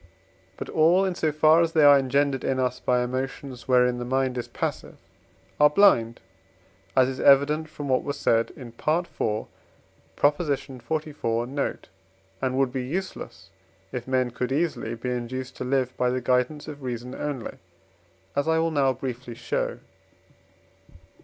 But all, in so far as they are engendered in us by emotions wherein the mind is passive, are blind (as is evident from what was said in IV. xliv. note), and would be useless, if men could easily, be induced to live by the guidance of reason only, as I will now briefly, show.